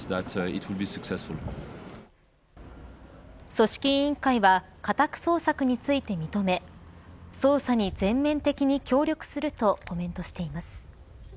組織委員会は家宅捜索について認め捜査に全面的に協力するとコメントしています。